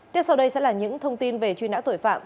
tiếp sau đây sẽ là những thông tin về truy nã tội phạm